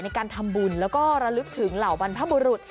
ในการทำบุญแล้วก็ระลึกถึงเหล่าบรรพบุรุษ